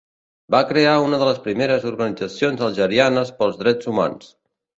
Va crear una de les primeres organitzacions algerianes pels drets humans.